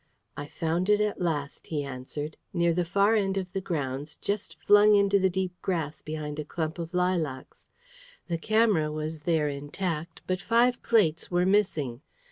"I found it at last," he answered, "near the far end of the grounds, just flung into the deep grass, behind a clump of lilacs. The camera was there intact, but five plates were missing.